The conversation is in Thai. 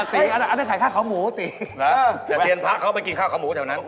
แต่เชียญพระเขาไปกินข้าวเข้าหมูแถวนั้น